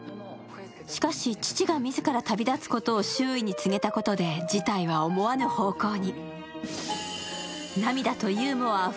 しかし、父が自ら旅立つことを周囲に告げたことで事態は思わぬ方向に。